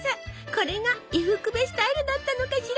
これが伊福部スタイルだったのかしら。